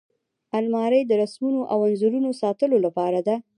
الماري د رسمونو او انځورونو ساتلو لپاره ده